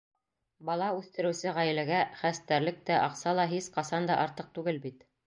Бала үҫтереүсе ғаиләгә хәстәрлек тә, аҡса ла һис ҡасан да артыҡ түгел бит.